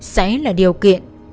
sẽ là điều kiện